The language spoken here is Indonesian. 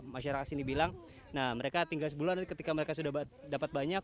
masyarakat sini bilang nah mereka tinggal sebulan nanti ketika mereka sudah dapat banyak